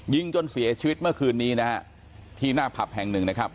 ยิงจนเสียชีวิตเมื่อคืนนี้นะฮะที่หน้าผับแห่งหนึ่งนะครับ